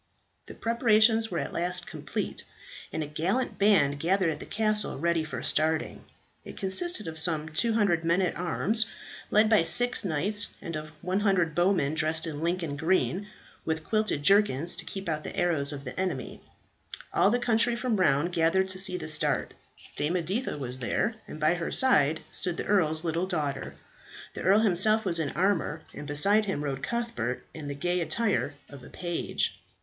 The preparations were at last complete, and a gallant band gathered at the castle ready for starting. It consisted of some 200 men at arms led by six knights, and of 100 bowmen dressed in Lincoln green, with quilted jerkins to keep out the arrows of the enemy. All the country from around gathered to see the start. Dame Editha was there, and by her side stood the earl's little daughter. The earl himself was in armour, and beside him rode Cuthbert in the gay attire of a page.